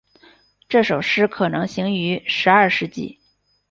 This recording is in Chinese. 这首诗可能形成于十二世纪。